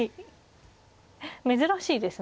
珍しいですね。